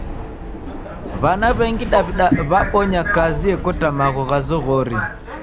W'ana w'engi Daw'ida w'abonya kazi ekota magho gha zoghori.